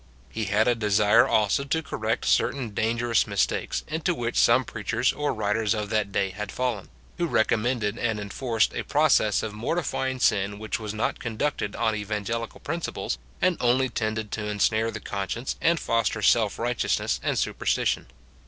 He had a desire also to cor rect certain "dangerous mistakes" into which some preachers or wri ters of tbnt day had fallen, who recommended and enforced a process of mortifying sin which was not conducted on evangelical principles, and Iv tendf<l to ensnare the conscience, and foster self righteous, ness iind superstition.